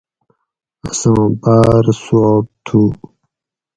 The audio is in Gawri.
اساں باۤر ثواب تھو